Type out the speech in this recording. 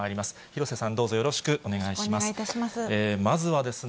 廣瀬さん、よろしくお願いいたします。